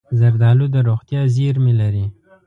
زردالو د روغتیا زېرمې لري.